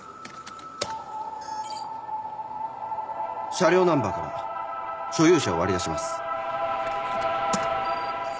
車両ナンバーから所有者を割り出します。